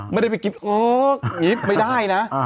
ไม่ได้ไปกินโอ๊คอย่างนี้ไม่ได้นะ